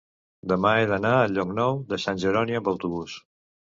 Demà he d'anar a Llocnou de Sant Jeroni amb autobús.